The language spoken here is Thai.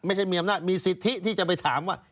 ไม่ใช่มีอำนาจมีสิทธิที่จะไปถามว่า